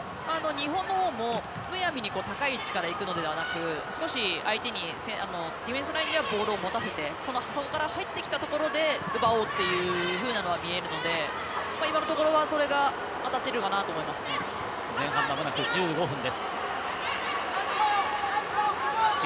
日本のほうもむやみに高い位置からいくのではなく少し相手にディフェンスラインではボールを持たせてそこから入ってきたところで奪おうというのが見えるので今のところは当たっているのかなと思います。